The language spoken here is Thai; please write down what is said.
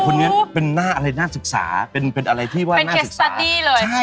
เห็นไงคนนี้เป็นหน้าน่าศึกษาเป็นอะไรที่ว่าหน้าศึกษาเป็นไก่สตอนดี้เลย